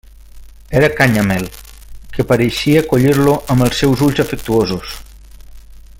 Era Canyamel, que pareixia acollir-lo amb els seus ulls afectuosos.